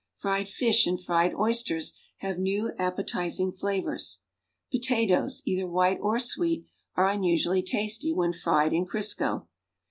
Fried fish an.d fried oys ters have new appetizing flavors. Potatoes, either white or sweet, are unusually tasty when fried in Crisco.